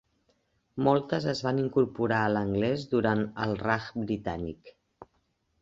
Moltes es van incorporar a l'anglès durant el Raj Britànic.